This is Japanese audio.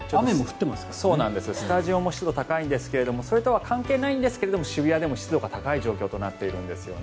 スタジオも湿度が高いんですがそれとは関係ないんですが渋谷でも湿度が高い状況となっています。